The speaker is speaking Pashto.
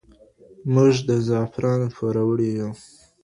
موږ د زعفرانو پوروړي یو.